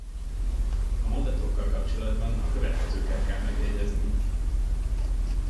A mondottakkal kapcsolatban a következőket kell megjegyeznünk.